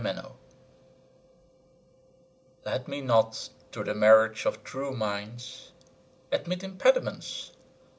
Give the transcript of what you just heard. CXVI Let me not to the marriage of true minds Admit impediments.